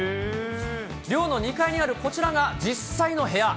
寮の２階にあるこちらが実際の部屋。